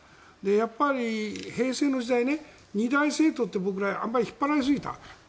やっぱり平成の時代２大政党って、僕らあまり引っ張られすぎた。